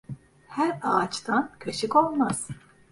Her ağaçtan kaşık olmaz.